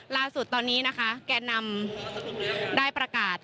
ล่าสุดตอนนี้นะคะแก่นำได้ประกาศ